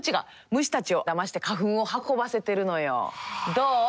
どう？